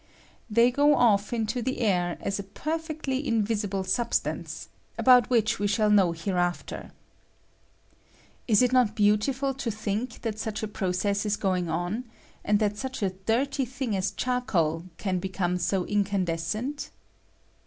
They go off into the air as a perfectly invisible substance, k about which we shall know hereafter, I la it not beautiful to think that such a proc '' eas is going on, and that such a dirty thing aa charcoal can become so incandescent?